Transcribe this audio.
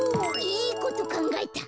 いいことかんがえた。